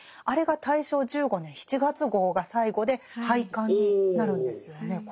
あれが大正１５年７月号が最後で廃刊になるんですよね。